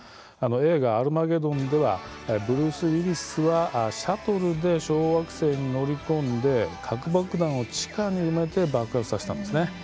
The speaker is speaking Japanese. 映画「アルマゲドン」ではブルース・ウィリスはシャトルで小惑星に乗り込んで核爆弾を地下に埋めて爆発させたんですね。